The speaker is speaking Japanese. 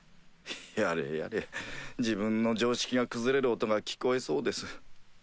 やれやれ自分の常識が崩れる音が聞こえそうです。